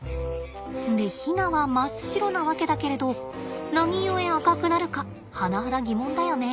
でヒナは真っ白なわけだけれど何故赤くなるか甚だ疑問だよね。